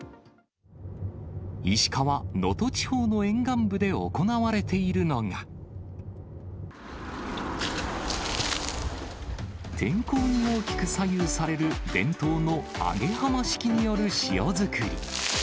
石川・能登地方の沿岸部で行われているのが、天候に大きく左右される伝統の揚浜式による塩作り。